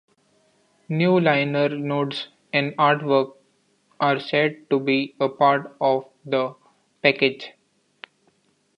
New liner notes and artwork are said to be a part of the package.